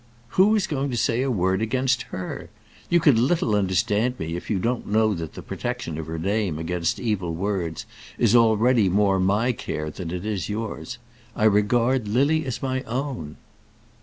"Who is going to say a word against her? You can little understand me if you don't know that the protection of her name against evil words is already more my care than it is yours. I regard Lily as my own."